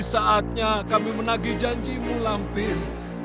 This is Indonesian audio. saatnya kami menagi janjimu lampir